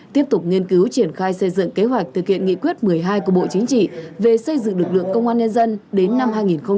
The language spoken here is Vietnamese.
tiếp tục nghiên cứu triển khai xây dựng kế hoạch thực hiện nghị quyết một mươi hai của bộ chính trị về xây dựng lực lượng công an nhân dân đến năm hai nghìn ba mươi